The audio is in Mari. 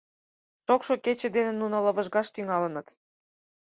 Шокшо кече дене нуно лывыжгаш тӱҥалыныт.